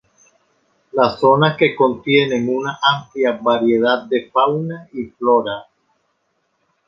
Las zonas que contienen una amplia variedad de fauna y flora.